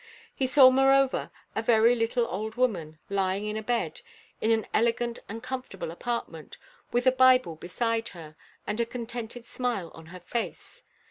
He saw, moreover, a very little old woman, lying in a bed, in an elegant and comfortable apartment, with a Bible beside her, and a contented smile on her face.